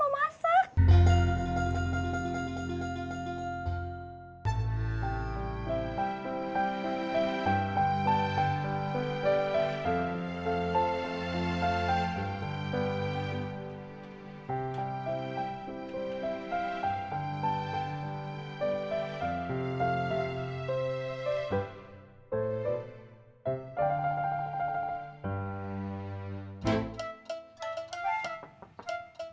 ya udah aku kesini